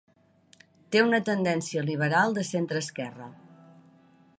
Té una tendència liberal de centreesquerra.